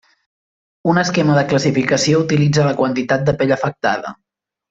Un esquema de classificació utilitza la quantitat de pell afectada.